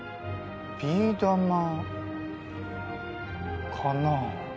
ビー玉かな。